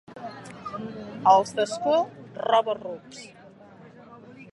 Els d'Ascó, roba-rucs.